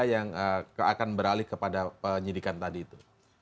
yang akan beralih kepada penyidikan tadi itu